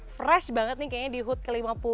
fresh banget nih kayaknya di hud ke lima puluh